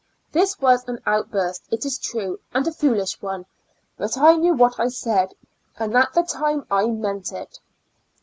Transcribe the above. This was an outburst, it is true, and a foolish one, but I knew what I said, and at the time I meant it.